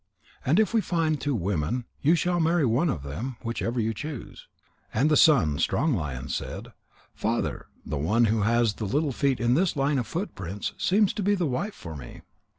And if we find two women, you shall marry one of them, whichever you choose." And the son Strong lion said: "Father, the one who has the little feet in this line of footprints, seems to be the wife for me.